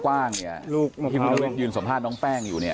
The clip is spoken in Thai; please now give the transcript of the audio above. ถ้ารุ่นยืนนกแป้งอยู่เนี่ย